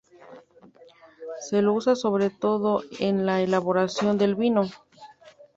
Se lo usa sobre todo en la elaboración del vino.